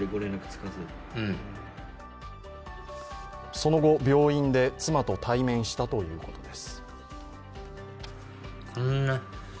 その後、病院で妻と対面したということです。